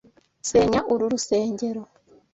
Senya uru rusengero.